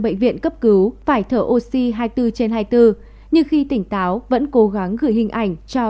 bệnh viện cấp cứu phải thở oxy hai mươi bốn trên hai mươi bốn nhưng khi tỉnh táo vẫn cố gắng gửi hình ảnh cho